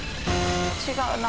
違うな。